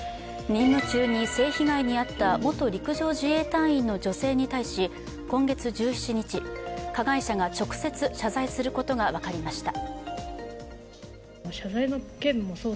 任務中に性被害に遭った元陸上自衛隊員の女性に対し、今月１７日、加害者が直接謝罪することが分かりました。